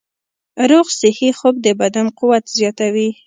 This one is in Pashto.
روغ صحي خوب د بدن قوت زیاتوي.